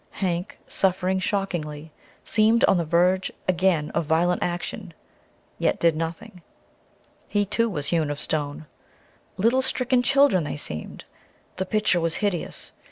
Hank, suffering shockingly, seemed on the verge again of violent action; yet did nothing. He, too, was hewn of stone. Like stricken children they seemed. The picture was hideous.